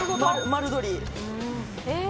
丸鶏。